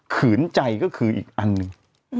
ขืนใจก็คืออีกอันหนึ่ง